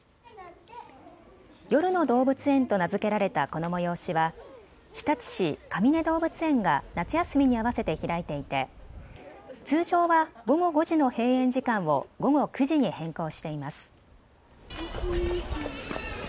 夜の動物園と名付けられたこの催しは日立市かみね動物園が夏休みに合わせて開いていて通常は午後５時の閉園時間を午後９時に変更しています。